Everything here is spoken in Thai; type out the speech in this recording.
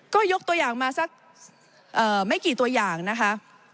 ก็ยกตัวอย่างมาสักไม่กี่ตัวอย่างนะคะ